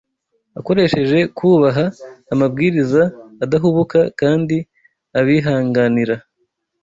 akoresheje kubaha amabwiriza adahubuka kandi abihanganira